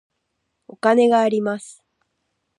お金があります。